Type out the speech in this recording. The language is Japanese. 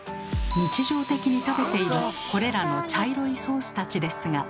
日常的に食べているこれらの茶色いソースたちですが。